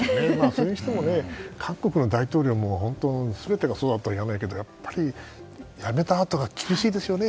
それにしても韓国の大統領も本当、全てがそうだったらやばいけど辞めたあとが厳しいですよね。